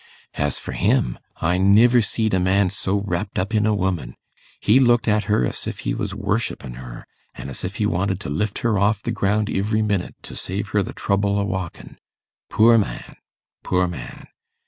As for him, I niver see'd a man so wrapt up in a woman. He looked at her as if he was worshippin' her, an' as if he wanted to lift her off the ground ivery minute, to save her the trouble o' walkin'. Poor man, poor man!